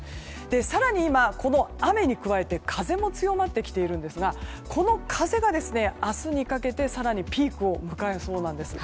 更に今、雨に加えて風も強まってきているんですがこの風が明日にかけて更にピークを迎えそうです。